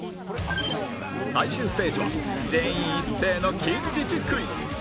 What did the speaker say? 最終ステージは全員一斉の近似値クイズ